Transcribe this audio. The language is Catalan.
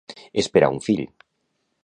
Esperar un fill.